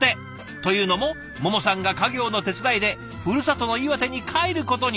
というのもももさんが家業の手伝いでふるさとの岩手に帰ることに。